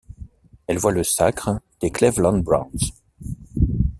Elle voit le sacre des Cleveland Browns.